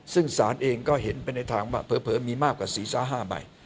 ซึ่งศาลเองก็เห็นไปในทางว่าเผลอมีมากกว่าศีรษะ๕ใบ